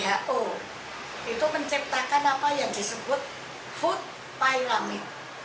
fao dan who menciptakan apa yang disebut food pyramid